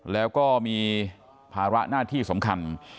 แล้วก็มีภาระหน้าที่สำคัญ